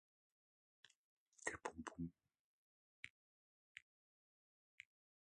Дорога виляла среди полей, словно змея, путешествующая по зеленой равнине.